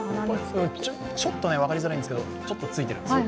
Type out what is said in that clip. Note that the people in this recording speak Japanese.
ちょっと分かりづらいんですけど、ちょっとついてるんです。